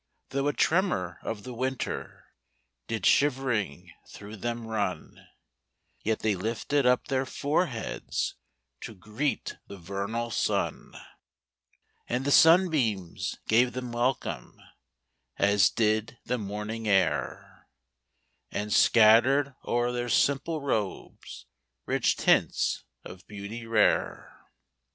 5 Though a tremor of the winter Did shivering through them run; Yet they lifted up their foreheads To greet the vernal sun. And the sunbeams gave them welcome. As did the morning air And scattered o'er their simple robes Rich tints of beauty rare.